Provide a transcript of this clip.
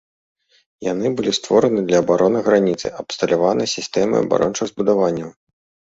Яны былі створаны для абароны граніцы, абсталяваны сістэмай абарончых збудаванняў.